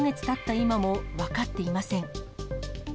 今も分かっていません。